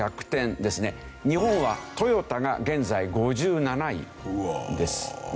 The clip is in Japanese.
日本はトヨタが現在５７位ですね。